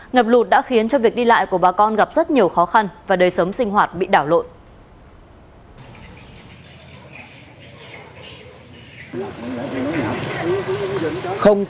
ngập lụt đã khiến cho việc đi lại của bà con gặp rất nhiều khó khăn và đời sống sinh hoạt bị đảo lộn